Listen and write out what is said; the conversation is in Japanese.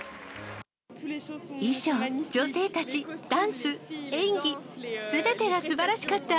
衣装、女性たち、ダンス、演技、すべてがすばらしかった。